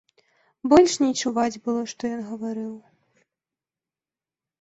Больш не чуваць было, што ён гаварыў.